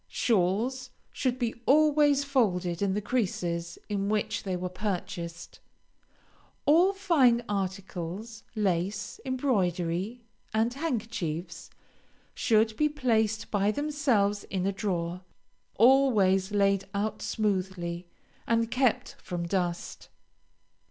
Shawls should be always folded in the creases in which they were purchased. All fine articles, lace, embroidery, and handkerchiefs, should be placed by themselves in a drawer, always laid out smoothly, and kept from dust.